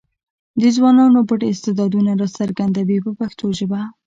د ځوانانو پټ استعدادونه راڅرګندوي په پښتو ژبه.